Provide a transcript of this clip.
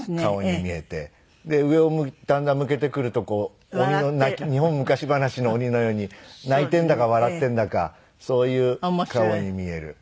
で上をだんだん向けてくるとこう日本昔話の鬼のように泣いてるんだか笑ってるんだかそういう顔に見える武悪と。